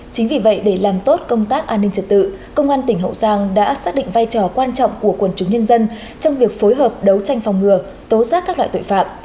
chính vì vậy để làm tốt công tác an ninh trật tự công an tỉnh hậu giang đã xác định vai trò quan trọng của quần chúng nhân dân trong việc phối hợp đấu tranh phòng ngừa tố giác các loại tội phạm